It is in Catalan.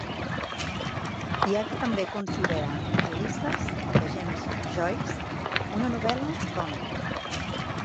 Hi ha qui també considera "Ulisses" de James Joyce una novel·la còmica.